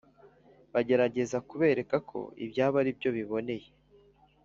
bagerageza kubereka ko ibyabo ari byo biboneye.